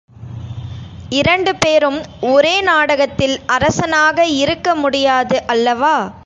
இரண்டு பேரும் ஒரே நாடகத்தில் அரசனாக இருக்க முடியாது அல்லவா?